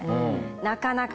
なかなか。